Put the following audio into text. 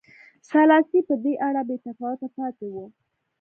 سلاسي په دې اړه بې تفاوته پاتې و.